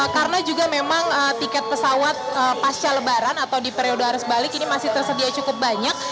karena juga memang tiket pesawat pasca lebaran atau di periode arus balik ini masih tersedia cukup banyak